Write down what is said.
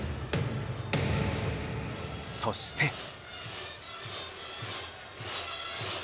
そして。